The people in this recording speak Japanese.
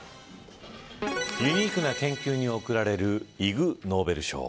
ユニークな研究に贈られるイグ・ノーベル賞。